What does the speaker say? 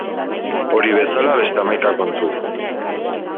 Hori bezala beste hamaika kontu.